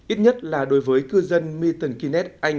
ít nhất là đối với cư dân milton kinnett